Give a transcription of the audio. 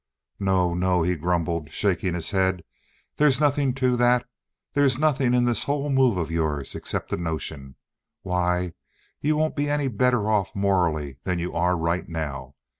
"No, no," he grumbled, shaking his head. "There's nothing to that. There's nothing in this whole move of yours except a notion. Why, you won't be any better off morally than you are right now.